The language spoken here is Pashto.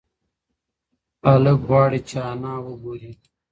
هلک غواړي چې انا وگوري.